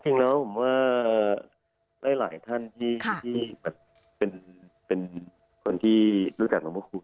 จริงแล้วผมว่าหลายท่านที่เป็นคนที่รู้จักหลวงพระครู